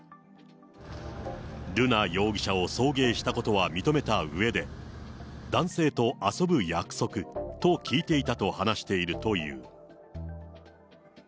瑠奈容疑者を送迎したことは認めたうえで、男性と遊ぶ約束と聞いていたと話しているという。